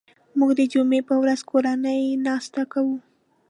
موږ د جمعې په ورځ کورنۍ ناسته کوو